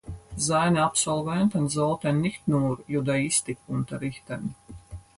Seine Absolventen sollten nicht nur Judaistik unterrichten.